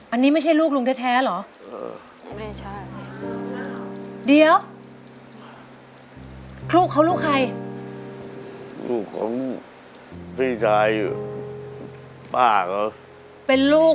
อันนี้ไม่ใช่ลูกลุงแท้เหรอ